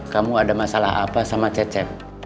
kamu ada masalah apa sama cecep